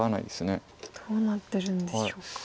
どうなってるんでしょうか。